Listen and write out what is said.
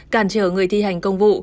càn trở người thi hành công vụ